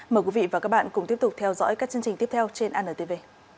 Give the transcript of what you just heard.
mời quý vị và các bạn cùng tiếp tục theo dõi các chương trình tiếp theo trên antv